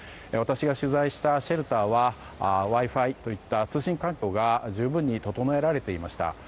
私が取材したシェルターはＷｉ‐Ｆｉといった通信環境が十分に整えられていました。